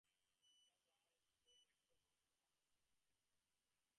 Ken Braverman is played by actor Rowen Kahn in the film "Man of Steel".